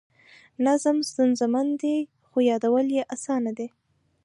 نظم ستونزمن دی خو یادول یې اسان دي.